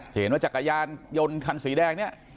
เห็นว่าจักรยานยนต์คันสีแดงเนี่ย